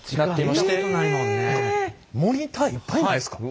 モニターいっぱいないですか。